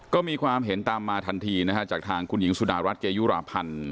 ก็มีความเห็นตามมาทันทีนะฮะจากทางคุณหญิงสุดารัฐเกยุราพันธ์